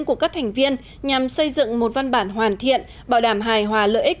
của các thành viên nhằm xây dựng một văn bản hoàn thiện bảo đảm hài hòa lợi ích